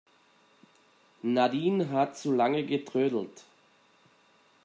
Nadine hat zu lange getrödelt.